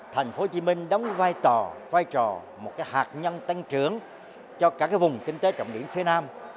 thành phố hồ chí minh đóng vai trò vai trò một hạt nhân tăng trưởng cho cả vùng kinh tế trọng điểm phía nam